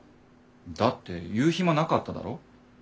だって言う暇なかっただろ？